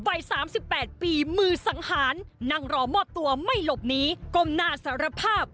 วัย๓๘ปีมือสังหารนั่งรอมอบตัวไม่หลบหนีก้มหน้าสารภาพ